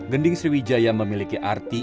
gending sriwijaya memiliki arti